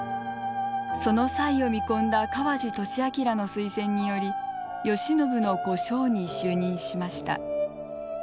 その才を見込んだ川路聖謨の推薦により慶喜の小姓に就任しました。